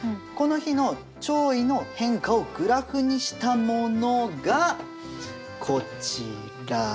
この日の潮位の変化をグラフにしたものがこちらです！